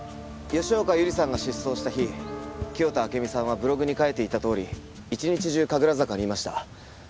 吉岡百合さんが失踪した日清田暁美さんはブログに書いていたとおり一日中神楽坂にいました。